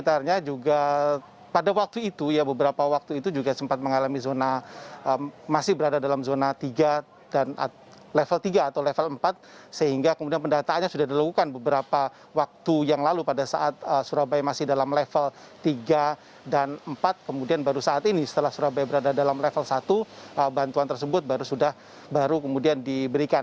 sekitarnya juga pada waktu itu ya beberapa waktu itu juga sempat mengalami zona masih berada dalam zona tiga dan level tiga atau level empat sehingga kemudian pendataannya sudah dilakukan beberapa waktu yang lalu pada saat surabaya masih dalam level tiga dan empat kemudian baru saat ini setelah surabaya berada dalam level satu bantuan tersebut baru sudah baru kemudian diberikan